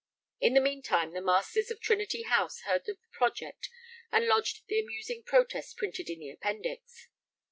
In the meantime the Masters of Trinity House heard of the project and lodged the amusing protest printed in the Appendix.